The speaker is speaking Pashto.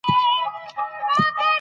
ګرځې په چمن کې، منګول ډکه وړې د ګلو